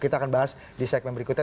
kita akan bahas di segmen berikutnya